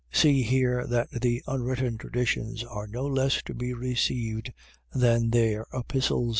. .See here that the unwritten traditions are no less to be received than their epistles.